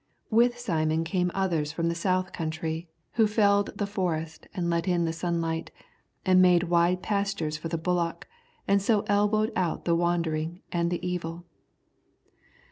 With Simon came others from the south country, who felled the forest and let in the sunlight, and made wide pastures for the bullock, and so elbowed out the wandering and the evil.